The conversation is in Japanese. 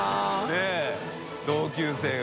佑同級生が。